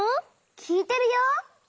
きいてるよ。